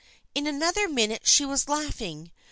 In another minute she was laugh ing.